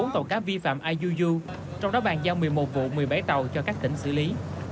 hai trăm chín mươi bốn tàu cá vi phạm iuu trong đó bàn giao một mươi một vụ một mươi bảy tàu cho các tỉnh xử lý